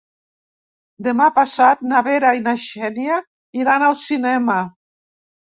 Demà passat na Vera i na Xènia iran al cinema.